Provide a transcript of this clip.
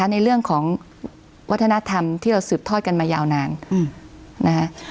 ในเรื่องของวัฒนธรรมที่เราสืบทอดกันมายาวนานนะคะ